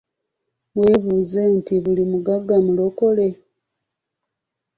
Weebuuze nti buli mugagga mulokole ?